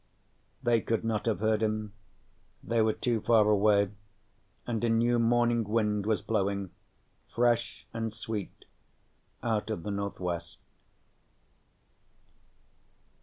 They could not have heard him. They were too far away and a new morning wind was blowing, fresh and sweet, out of the northwest.